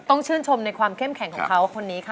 ต้องชื่นชมในความเข้มแข็งของเขาคนนี้ค่ะ